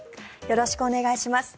よろしくお願いします。